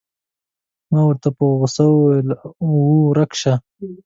ما ورته په غوسه وویل: اوه، ورک شه.